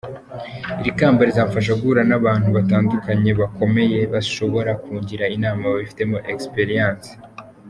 Iri kamba rizamfasha guhura n’abantu batandukanye bakomeye bashobora kungira inama babifitemo egisipirayansi.